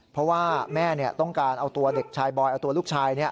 เพราะว่าแม่ต้องการเอาตัวเด็กชายบอยเอาตัวลูกชาย